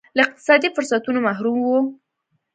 له اقتصادي فرصتونو محروم وو.